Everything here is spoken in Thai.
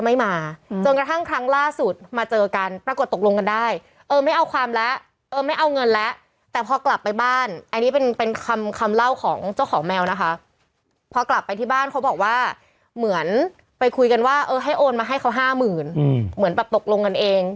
เหมือนไปคุยกันว่าให้โอนเอามาให้เขา๕๐๐๐เหมือนแบบโปรกลงกันเอง